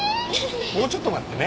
もうちょっと待ってね。